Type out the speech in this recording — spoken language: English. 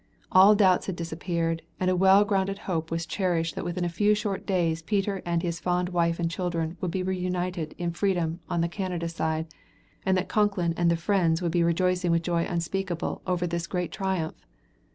All doubts had disappeared, and a well grounded hope was cherished that within a few short days Peter and his fond wife and children would be reunited in Freedom on the Canada side, and that Concklin and the friends would be rejoicing with joy unspeakable over this great triumph.